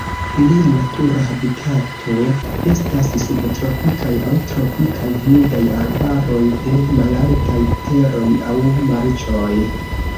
Ilia natura habitato estas subtropikaj aŭ tropikaj humidaj arbaroj de malaltaj teroj aŭ marĉoj.